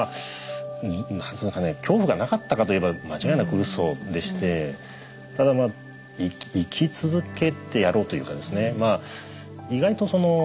なんつうのかな恐怖がなかったかといえば間違いなく嘘でしてただ生き続けてやろうというかですね。